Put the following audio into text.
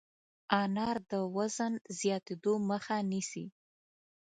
انار د وزن زیاتېدو مخه نیسي.